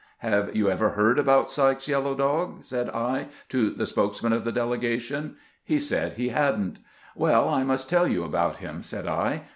" Have you ever heard about Sykes's yellow dog! " said I to the spokesman of the delegation. He said he had n't. " WeU, I must tell you about him," said I.